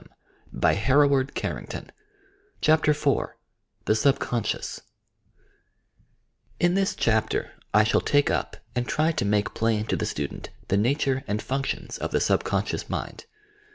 The will if exercised is supreme I CHAPTER IV THE SUBCONSCIOUS In this chapter I shall take up and try to make plain to the student the nature and functions of the Bub conscioua mind.